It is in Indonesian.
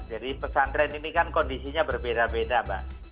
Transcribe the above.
jadi pesantren ini kan kondisinya berbeda beda mbak